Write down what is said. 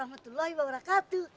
wa rahmatullahi wa barakatuh